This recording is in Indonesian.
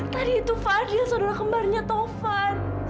tadi itu fadil saudara kembarnya tovan